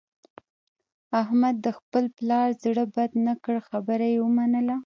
احمد د خپل پلار زړه بد نه کړ، خبره یې ومنله.